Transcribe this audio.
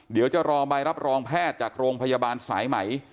เดี๋ยวจะรอใบรับรองแพทย์จากโรงพยาบาลสายใหม่